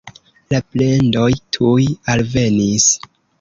La plendoj tuj alvenis.